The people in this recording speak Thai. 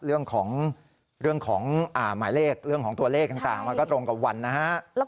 เรื่องของเรื่องของหมายเลขเรื่องของตัวเลขต่างมันก็ตรงกับวันนะฮะ